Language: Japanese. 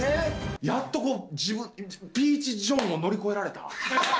やっとこうピーチ・ジョンを乗り越えられた。